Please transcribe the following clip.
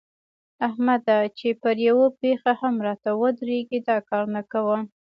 احمده! چې پر يوه پښه هم راته ودرېږي؛ دا کار نه کوم.